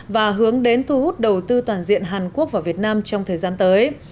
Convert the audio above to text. và hướng đến thu hút đầu tư toàn diện hàn quốc vào việt nam trong thời gian tới